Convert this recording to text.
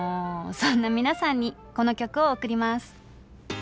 そんな皆さんにこの曲を贈ります。